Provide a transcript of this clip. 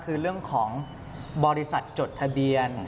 คือเรื่องของบริษัทจดทะเบียน